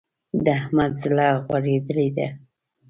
د احمد زړه غوړېدل دی.